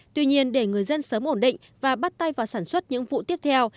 tuy nhiên để người dân sớm ổn định và bắt tay vào sản xuất những vụ tiếp theo